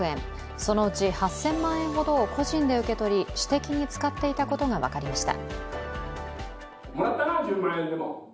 そのうち８０００万円ほどを個人で受け取り、私的に使っていたことが分かりました。